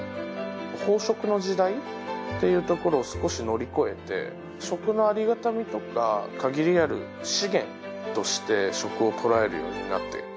飽食の時代っていうところを少し乗り越えて食のありがたみとか限りある資源として食をとらえるようになって。